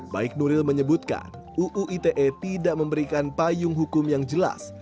baik nuril menyebutkan uu ite tidak memberikan payung hukum yang jelas